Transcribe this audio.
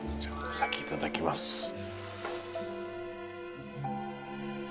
お先いただきます。